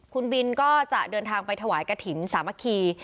คุณบินก็จะเดินทางไปถวายกระถิ่นสามัคคี